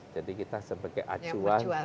jadi kita sebagai acuan